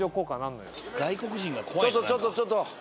ちょっとちょっとちょっと。